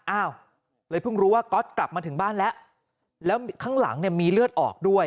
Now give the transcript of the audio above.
อ้าวเลยเพิ่งรู้ว่าก๊อตกลับมาถึงบ้านแล้วแล้วข้างหลังเนี่ยมีเลือดออกด้วย